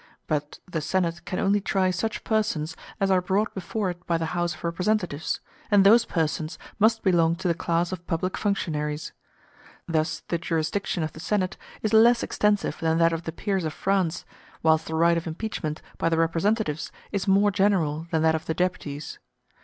But the Senate can only try such persons as are brought before it by the House of Representatives, and those persons must belong to the class of public functionaries. Thus the jurisdiction of the Senate is less extensive than that of the Peers of France, whilst the right of impeachment by the Representatives is more general than that of the Deputies.